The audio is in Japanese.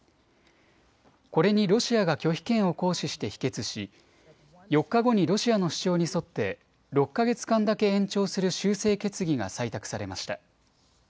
これにロシアが拒否権を行使して否決し４日後にロシアの主張に沿って６か月間だけ延長する修正決議が採択されました。